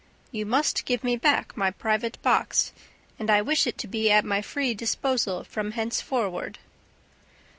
You must give me back my private box; and I wish it to be at my free disposal from henceforward.